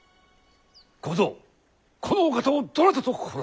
小僧このお方をどなたと心得る！